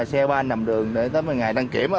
xe ba nằm đường để tới một mươi ngày đăng kiểm